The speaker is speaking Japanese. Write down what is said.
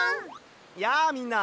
やあみんな！